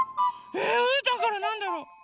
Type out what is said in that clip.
えうーたんからなんだろ？